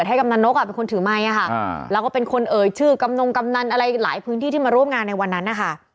กำนันนกเป็นคนถือไมค์แล้วก็เป็นคนเอ่ยชื่อกำนงกำนันอะไรหลายพื้นที่ที่มาร่วมงานในวันนั้นนะคะ